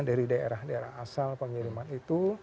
dari daerah daerah asal pengiriman itu